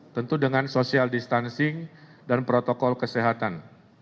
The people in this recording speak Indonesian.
tentu dengan social distancing dan protokol kesehatan